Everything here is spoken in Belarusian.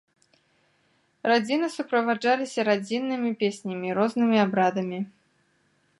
Радзіны суправаджаліся радзіннымі песнямі, рознымі абрадамі.